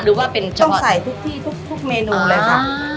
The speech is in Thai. ดูว่าเป็นต้องใส่ทุกที่ทุกทุกเมนูเลยค่ะอ่า